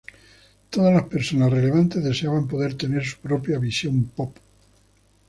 Todas las personas relevantes deseaban poder tener su propia visión pop.